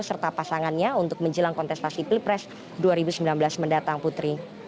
serta pasangannya untuk menjelang kontestasi pilpres dua ribu sembilan belas mendatang putri